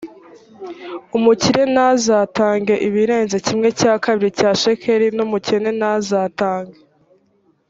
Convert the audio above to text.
umukire ntazatange ibirenze kimwe cya kabiri cya shekeli n umukene ntazatange